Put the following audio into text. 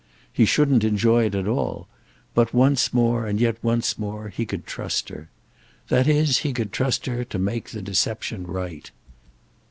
He shouldn't enjoy it at all; but, once more and yet once more, he could trust her. That is he could trust her to make deception right.